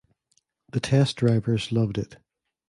The test drivers loved it.